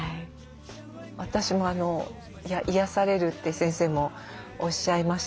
私も「癒やされる」って先生もおっしゃいました